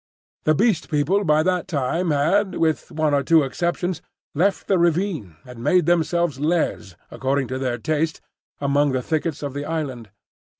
The Beast People by that time had, with one or two exceptions, left the ravine and made themselves lairs according to their taste among the thickets of the island.